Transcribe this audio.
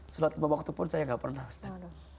sulat beberapa waktu pun saya gak pernah nyulatin